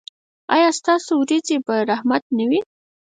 ایا ستاسو ورېځې به رحمت وي؟